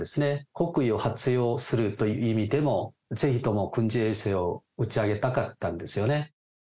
国威を発揚するという意味でも、ぜひとも軍事衛星を打ち上げたかったんですよね。